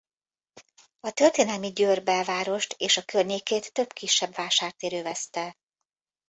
A történelmi Győr belvárost és a környékét több kisebb vásártér övezte.